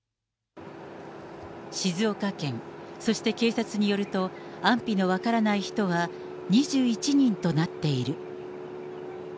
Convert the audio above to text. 静岡県、そして警察によると、安否の分からない人は２１人となっている。